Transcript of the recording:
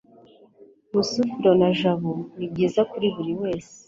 rusufero na jabo nibyiza kuri buriwese